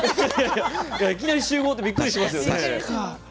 いきなり集合はびっくりしますよね。